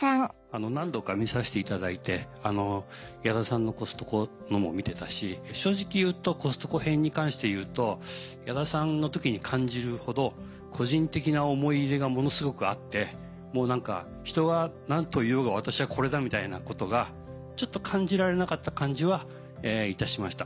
何度か見させていただいて矢田さんのコストコのも見てたし正直言うとコストコ編に関して言うと矢田さんの時に感じるほど個人的な思い入れがものすごくあって「人が何と言おうが私はこれだ」みたいなことがちょっと感じられなかった感じはいたしました。